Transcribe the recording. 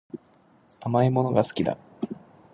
甘いものが好きだ